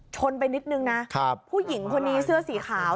ไปนิดนึงนะครับผู้หญิงคนนี้เสื้อสีขาว